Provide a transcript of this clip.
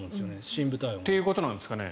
深部体温が。ということなんですかね。